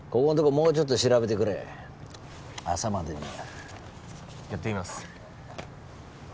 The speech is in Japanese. もうちょっと調べてくれ朝までになやってみます